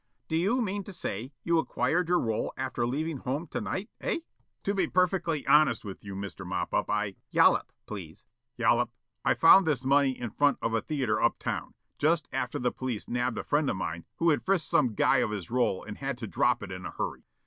"Do you mean to say, you acquired your roll after leaving home tonight, eh?" "To be perfectly honest with you, Mr. Moppup, I " "Yollop, please." " Yollop, I found this money in front of a theater up town, just after the police nabbed a friend of mine who had frisked some guy of his roll and had to drop it in a hurry."